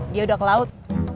dia udah ke laut